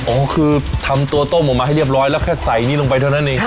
คือทำตัวต้มออกมาให้เรียบร้อยแล้วแค่ใส่นี้ลงไปเท่านั้นเอง